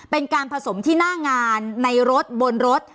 เป็นการผสมที่หน้างานในรถบนรถ